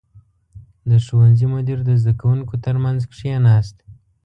• د ښوونځي مدیر د زده کوونکو تر منځ کښېناست.